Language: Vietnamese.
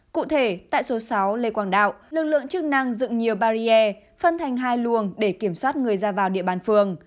cụ thể tại số sáu lê quang đạo lực lượng chức năng dựng nhiều barrier phân thành hai luồng để kiểm soát người ra vào địa bàn phường